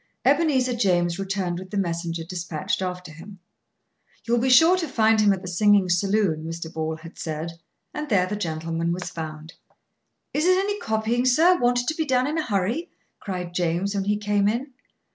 Ebenezer James returned with the messenger dispatched after him. "You'll be sure to find him at the singing saloon," Mr. Ball had said; and there the gentleman was found. "Is it any copying, sir, wanted to be done in a hurry?" cried James, when he came in.